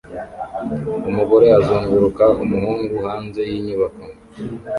Umugore azunguruka umuhungu hanze yinyubako